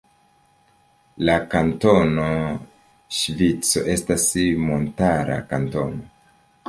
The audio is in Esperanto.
La Kantono Ŝvico estas montara kantono.